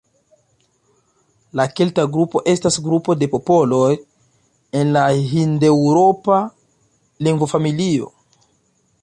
La kelta grupo estas grupo de popoloj en la hindeŭropa lingvofamilio.